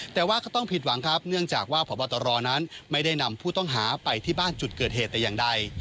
แต่ว่าก็ต้องผิดหวังครับเนื่องจากว่าพบตรนั้นไม่ได้นำผู้ต้องหาไปที่บ้านจุดเกิดเหตุแต่อย่างใด